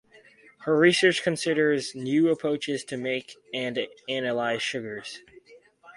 Her research considers new approaches to make and analyse sugars.